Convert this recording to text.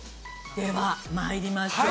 ◆では、まいりましょう。